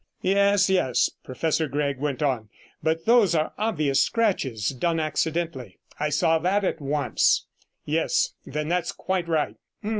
'Yes, yes,' Professor Gregg went on, 'but those are obvious scratches, done accidentally; I saw that at once. Yes, then that's quite right.